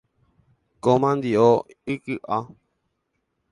Ko mandi’o iky’a.